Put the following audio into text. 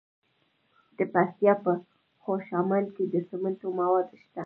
د پکتیکا په خوشامند کې د سمنټو مواد شته.